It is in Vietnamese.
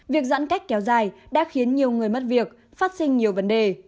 việc giãn cách kéo dài đã khiến nhiều người mất việc phát sinh nhiều vấn đề